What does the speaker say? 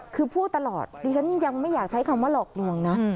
คือพูดตลอดดิฉันยังไม่อยากใช้คำว่าหลอกลวงนะ